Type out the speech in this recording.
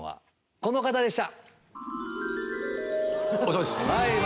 この方でした。